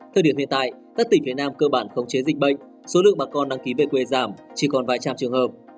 thời điểm hiện tại các tỉnh phía nam cơ bản khống chế dịch bệnh số lượng bà con đăng ký về quê giảm chỉ còn vài trăm trường hợp